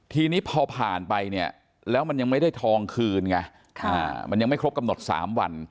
ทีนี้พอผ่านไปเนี่ยแล้วมันยังไม่ได้ทองคืนไงมันยังไม่ครบกำหนด๓วัน